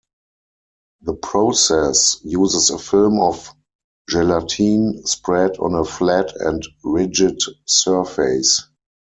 The process uses a film of gelatine spread on a flat and rigid surface.